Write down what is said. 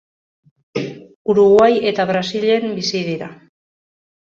Uruguai eta Brasilen bizi dira.